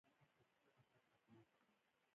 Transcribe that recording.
ایا زه باید پلیټلیټ ولګوم؟